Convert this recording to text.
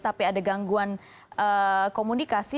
tapi ada gangguan komunikasi